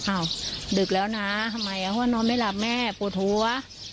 อ้าวดึกแล้วนะทำไมเพราะว่านอนไม่หลับแม่ปวดหัว